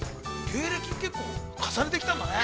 芸歴、結構重ねてきたんだね。